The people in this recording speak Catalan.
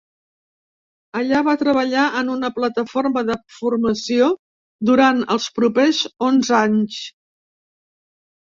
Allà va treballar en una plataforma de formació durant els propers onze anys.